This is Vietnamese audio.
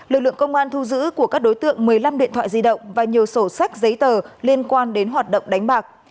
lực lượng công an thu giữ của các đối tượng một mươi năm điện thoại di động và nhiều sổ sách giấy tờ liên quan đến hoạt động đánh bạc